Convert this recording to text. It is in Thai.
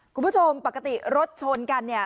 คุณผู้ชมปกติรถชนกันเนี่ย